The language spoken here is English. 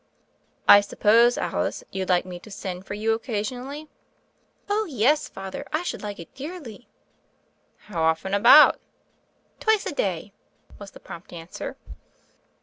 "I suppose, Alice, you'd like me to send for you occasionally." "Oh, yes. Father : I should like it dearly." "How often about?" "Twice a day," was the prompt answer.